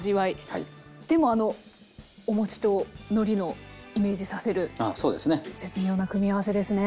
でもあのお餅とのりのイメージさせる絶妙な組み合わせですね。